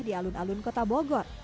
di alun alun kota bogor